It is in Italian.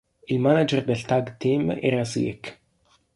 Il manager del tag team era Slick.